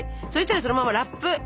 そしたらそのままラップ！